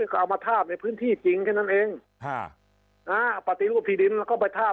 ก็เอามาทาบในพื้นที่จริงแค่นั้นเองปฏิรูปที่ดินแล้วก็ไปทาบ